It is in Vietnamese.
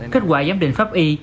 kết quả giám định pháp y